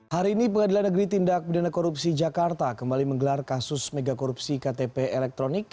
hari ini pengadilan negeri tindak pidana korupsi jakarta kembali menggelar kasus megakorupsi ktp elektronik